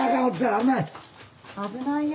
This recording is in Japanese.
危ないよ。